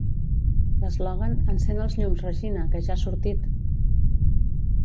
L'eslògan "encén els llums, Regina, que ja ha sortit!"